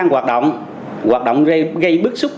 hoạt động hoạt động gây bức xúc